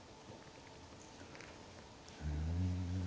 うん。